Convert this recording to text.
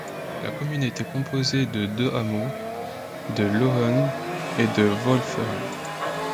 La commune était composée des deux hameaux de Loenen et de Wolferen.